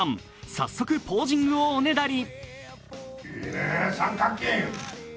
早速、ポージングをおねだり。